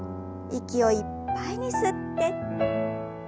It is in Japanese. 息をいっぱいに吸って。